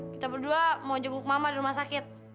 kita berdua mau jenguk mama di rumah sakit